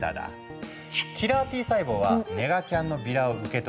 キラーＴ細胞はネガキャンのビラを受け取り